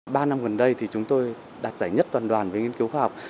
ba năm gần đây thì chúng tôi đạt giải nhất toàn đoàn với nghiên cứu khoa học